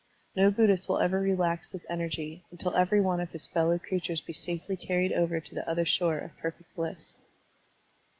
No Bud dhist will ever relax his energy, tmtil every one of his fellow creatures be safely carried over to the other shore of perfect bliss.